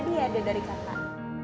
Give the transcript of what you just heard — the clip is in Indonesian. nanti dapat hadiah dari kakak